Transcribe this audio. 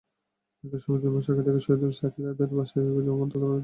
মৃত্যুর দুই মাস আগে থেকে শহীদুল সাকিলাদের বাসায় যাওয়া বন্ধ করে দেন।